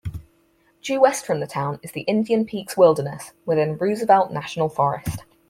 Due west from the town is the Indian Peaks Wilderness within Roosevelt National Forest.